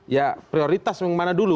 ya prioritas yang mana dulu